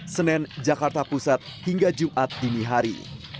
senin jakarta pusat hingga jumat dini hari